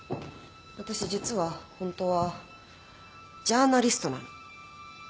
私実はホントはジャーナリストなの。